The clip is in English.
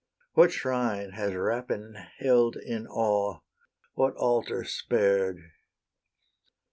What shrine has rapine held in awe? What altar spared?